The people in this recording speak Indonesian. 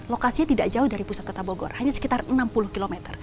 lokasinya tidak jauh dari pusat kota bogor hanya sekitar enam puluh km